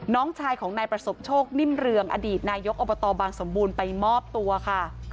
น้องชายของนายประสบโชคนิ่มเรืองอดีตนายกอบตบางสมบูรณ์ไปมอบตัวค่ะ